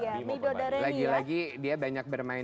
bimo permadi lagi lagi dia banyak bermain